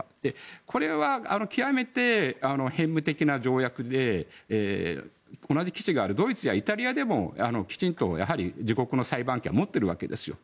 これは極めて片務的な条約で同じ基地があるドイツやイタリアでもきちんと自国の裁判権を持っているわけです。